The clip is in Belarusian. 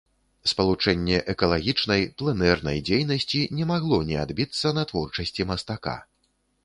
Спалучэнне экалагічнай, пленэрнай дзейнасці не магло не адбіцца на творчасці мастака.